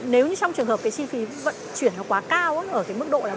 nếu như trong trường hợp cái chi phí vận chuyển nó quá cao ở cái mức độ là bốn